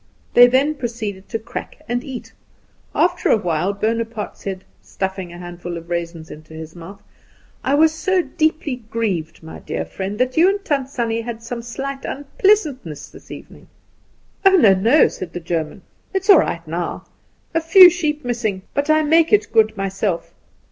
They then proceeded to crack and eat. After a while Bonaparte said, stuffing a handful of raisins into his mouth: "I was so deeply grieved, my dear friend, that you and Tant Sannie had some slight unpleasantness this evening." "Oh, no, no," said the German; "it is all right now. A few sheep missing; but I make it good myself.